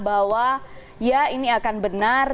bahwa ya ini akan benar